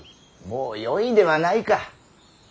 もうよいではないか。